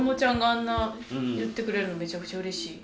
あんな言ってくれるのめちゃくちゃうれしい。